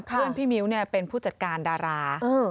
เพื่อนพี่มิ้วเป็นผู้จัดการดารา